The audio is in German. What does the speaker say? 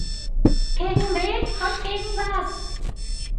Gegen wen und gegen was?